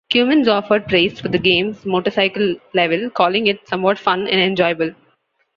Cummins offered praise for the game's motorcycle level, calling it somewhat fun and enjoyable.